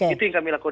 itu yang kami lakukan